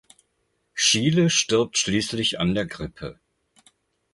Schiele stirbt schließlich an der Grippe.